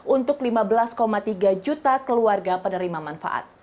untuk lima belas tiga juta keluarga penerima manfaat